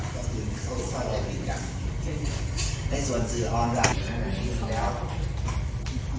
ก็คือเข้าใจดีกันได้ส่วนสื่อออนไลน์อันนี้อยู่แล้ว